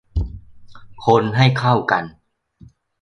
คนให้เข้ากัน